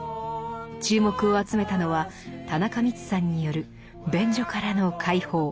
注目を集めたのは田中美津さんによる「便所からの解放」。